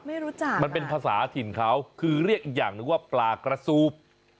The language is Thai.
มันเป็นภาษาถิ่นเขาคือเรียกอีกอย่างนึกว่าปลากระซูบ